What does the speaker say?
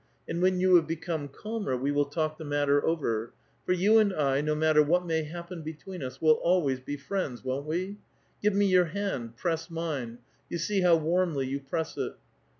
And when yon have become calmer, we will talk the matter over ; for you and I, no mat ter what may happen between us, will always be friends, won't we? Give me your hand ; press mine. You see how warmly you press it."